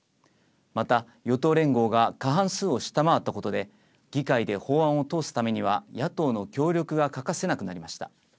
また、与党連合が過半数を下回ったことで議会で法案を通すためには野党の協力が欠かせなくなりました。